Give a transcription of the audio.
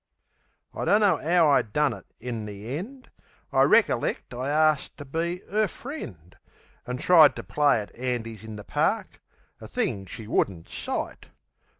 I dunno 'ow I done it in the end. I reckerlect I arst ter be 'er friend; An' tried ter play at 'andies in the park, A thing she wouldn't sight.